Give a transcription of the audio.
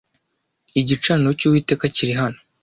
igicaniro cy’uwiteka kiri hano